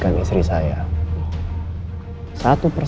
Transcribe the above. pokoknya biar raha jadi someone's death in her life